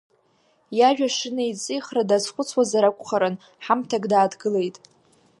Иажәа шынеиҵихра дазхәыцуазар акәхарын, ҳамҭак дааҭгылеит.